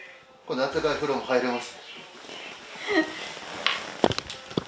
温かいお風呂に入れます。